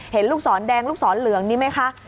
ลูกศรแดงลูกศรเหลืองนี่ไหมคะ